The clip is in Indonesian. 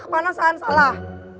ke panasan salah